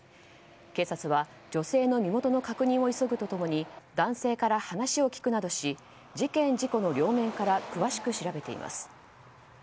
警察は女性の身元の確認を急ぐと共に男性から話を聞くなどし事件・事故の両面から詳しく調べています。